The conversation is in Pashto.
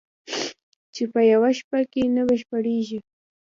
چې په یوه شپه کې نه بشپړېږي